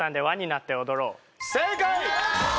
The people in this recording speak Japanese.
正解！